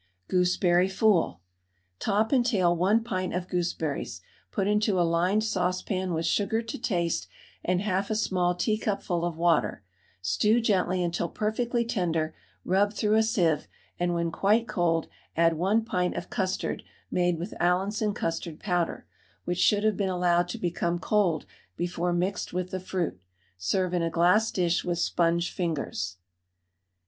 GOOSEBERRY FOOL. Top and tail 1 pint of gooseberries, put into a lined saucepan with sugar to taste and half a small teacupful of water, stew gently until perfectly tender, rub through a sieve, and when quite cold add 1 pint of custard made with Allinson custard powder, which should have been allowed to become cold before being mixed with the fruit. Serve in a glass dish with sponge fingers.